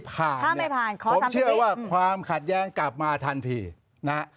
ผมเชื่อว่าความขัดแย้งกลับมาทันทีนะฮะ